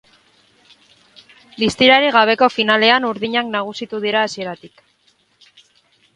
Distirarik gabeko finalean urdinak nagusitu dira hasieratik.